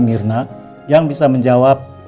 mirna yang bisa menjawab